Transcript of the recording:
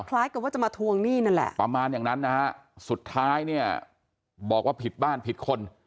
คล้ายกับว่าจะมาทวงหนี้นั่นแหละประมาณอย่างนั้นนะฮะสุดท้ายเนี่ยบอกว่าผิดบ้านผิดคน